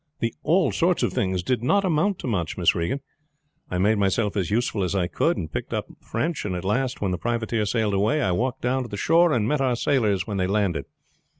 "The 'all sorts of things' did not amount to much, Miss Regan. I made myself as useful as I could, and picked up French; and at last when the privateer sailed away I walked down to the shore and met our sailors when they landed.